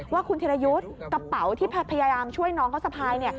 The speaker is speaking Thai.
ว่าคุณธิรยุทธ์กระเป๋าที่พยายามช่วยน้องเขาสะพาย